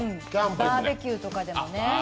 バーベキューとかでもね。